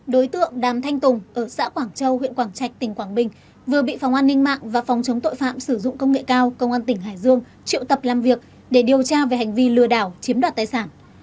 đối tượng đàm thanh tùng ở xã quảng châu huyện quảng trạch tỉnh quảng bình vừa bị phòng an ninh mạng và phòng chống tội phạm sử dụng công nghệ cao công an tỉnh hải dương triệu tập làm việc để điều tra về hành vi lừa đảo chiếm đoạt tài sản